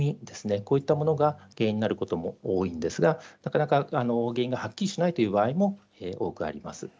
こういったものが原因になることも多いんですがなかなか原因がはっきりしない場合も多くあります。